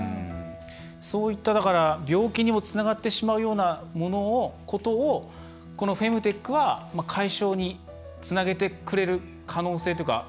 そういった病気にもつながってしまうようなことをこのフェムテックは解消につなげてくれる可能性があるわけですね。